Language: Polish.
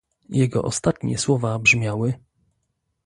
Jego ostatnie słowa brzmiały